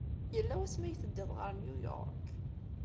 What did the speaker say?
Yella wasmi ay teddiḍ ɣer New York?